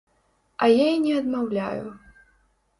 А я і не адмаўляю.